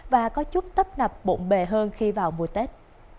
và có chút tấp nập bộn bề hơn khi vào mùa tết